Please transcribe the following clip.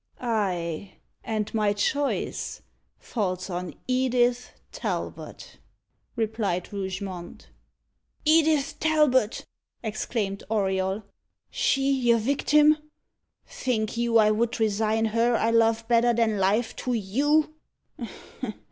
"Ay, and my choice falls on Edith Talbot!" replied Rougemont. "Edith Talbot!" exclaimed Auriol; "she your victim! Think you I would resign her I love better than life to you?"